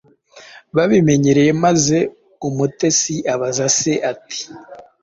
babimenyereye maze umutesi abaza se ati: “